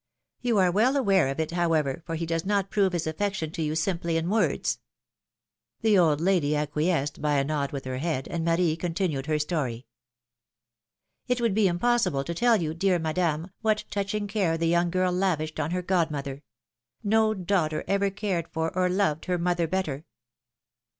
You are well aware of it, however, for he does not prove his affection to you simply in words.^^ The old lady acquiesced by a nod with her head, and Marie continued her story. It would be impossible to tell you, dear Madame, w^hat touching care the young girl lavished on her godmother: no daughter ever cared for or loved her mother better.